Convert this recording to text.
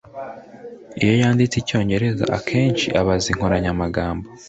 iyo yanditse icyongereza, akenshi abaza inkoranyamagambo